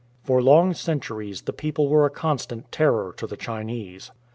For long centuries the people were a constant terror to the Chinese.